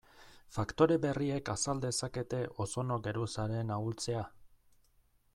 Faktore berriek azal dezakete ozono geruzaren ahultzea?